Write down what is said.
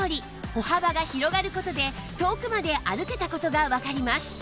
歩幅が広がる事で遠くまで歩けた事がわかります